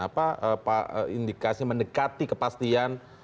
apa indikasi mendekati kepastian